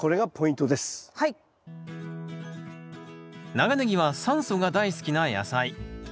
長ネギは酸素が大好きな野菜。